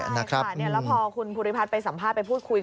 ใช่ค่ะแล้วพอคุณภูริพัฒน์ไปสัมภาษณ์ไปพูดคุย